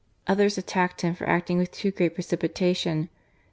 Others attacked him for acting with too great precipitation.